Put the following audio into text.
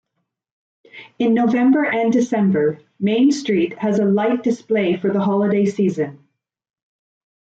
In November and December, Main Street has a light display for the holiday season.